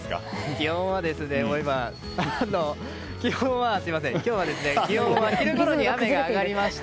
気温は、今日は昼ごろに雨が上がりました。